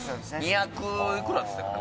２００いくらっつったかな